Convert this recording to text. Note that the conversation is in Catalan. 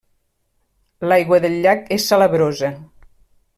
L'aigua del llac és salabrosa.